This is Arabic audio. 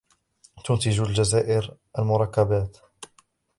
تنتج الجزائر المركبات.